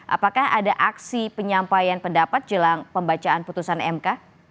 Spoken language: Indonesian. apakah ada aksi penyampaian pendapat jelang pembacaan putusan mk